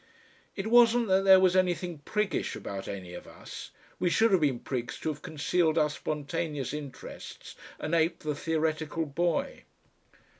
It wasn't that there was anything priggish about any of us; we should have been prigs to have concealed our spontaneous interests and ape the theoretical boy.